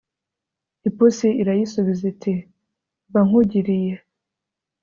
ipusi irayisubiza iti mbankugiriye